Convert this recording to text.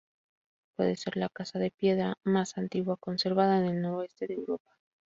Puede ser la casa de piedra más antigua conservada en el noroeste de Europa.